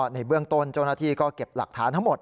ในเบื้องต้นโจรถีก็เก็บหลักฐานทั้งหมด